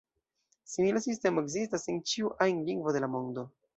Simila sistemo ekzistas en ĉiu ajn lingvo de la mondo.